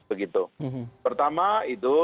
begitu pertama itu